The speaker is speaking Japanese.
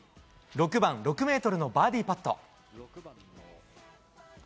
６番、６ｍのバーディーパット。